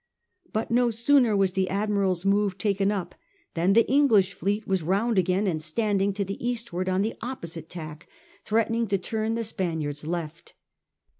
But no sooner was the Admiral's move taken up than the English fleet was round again and standing to the eastward on the opposite tack threatening to turn the Spaniards' left.